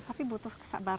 tapi butuh kesabaran